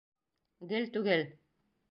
Гел түгел.